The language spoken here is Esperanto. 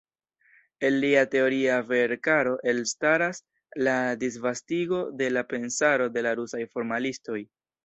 El lia teoria veerkaro elstaras la disvastigo de la pensaro de la rusaj formalistoj.